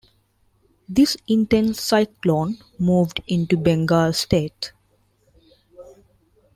This intense cyclone moved into Bengal state.